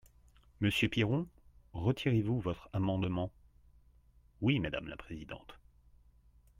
Monsieur Piron, retirez-vous votre amendement ? Oui, madame la présidente.